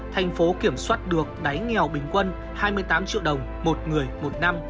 thành phố kiểm soát được đáy nghèo bình quân hai mươi tám triệu đồng một người một năm